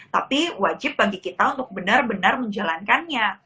tapi wajib bagi kita untuk benar benar menjalankannya